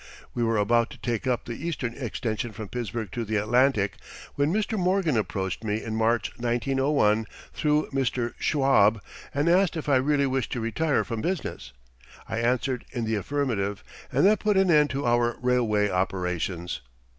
We were about to take up the eastern extension from Pittsburgh to the Atlantic when Mr. Morgan approached me in March, 1901, through Mr. Schwab, and asked if I really wished to retire from business. I answered in the affirmative and that put an end to our railway operations.